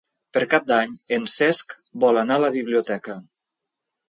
Per Cap d'Any en Cesc vol anar a la biblioteca.